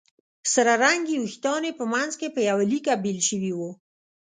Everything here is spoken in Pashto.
سره رنګي وېښتان یې په منځ کې په يوه ليکه بېل شوي وو